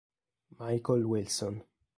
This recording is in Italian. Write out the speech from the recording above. Michael Wilson